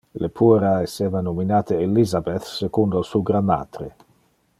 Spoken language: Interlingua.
Le puera esseva nominate Elizabeth secundo su granmatre.